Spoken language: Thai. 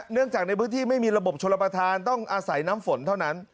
จากในพื้นที่ไม่มีระบบชนประธานต้องอาศัยน้ำฝนเท่านั้น